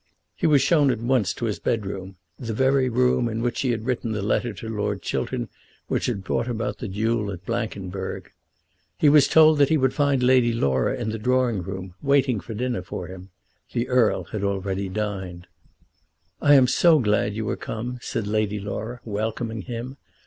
He was shown at once to his bedroom, the very room in which he had written the letter to Lord Chiltern which had brought about the duel at Blankenberg. He was told that he would find Lady Laura in the drawing room waiting for dinner for him. The Earl had already dined. "I am so glad you are come," said Lady Laura, welcoming him.